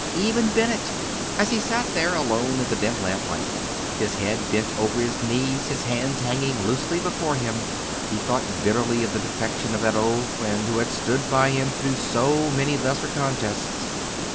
Even Bennett! As he sat there alone in the dim lamp light, his head bent over his knees, his hands hanging loosely before him, he thought bitterly of the defection of that old friend who had stood by him through so many lesser contests.